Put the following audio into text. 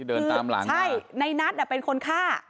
เดินตามหลังใช่ในนัทเป็นคนฆ่า